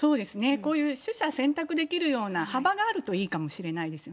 こういう取捨選択できるような幅があるといいかもしれないですよ